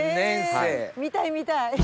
え見たい見たい！